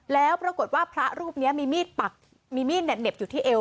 แล้วปรากฏว่าพระรูปนี้มีมีดปักมีมีดเหน็บอยู่ที่เอว